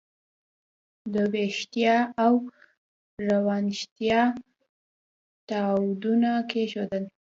د ویښتیا او روښانتیا تاداوونه کېښودل.